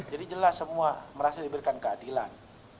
jadi jelas semua merasa diberikan keadilan